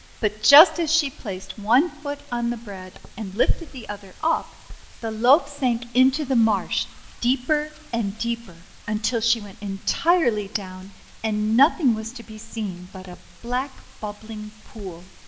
But just as she placed one foot on the bread, and lifted the other up, the loaf sank into the marsh, deeper and deeper, until she went en tirely down, and nothing was to be seen but a black bubbling pool.